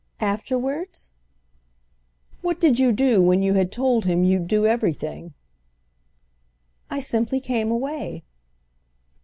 "Afterwards?" "What did you do when you had told him you'd do everything?" "I simply came away."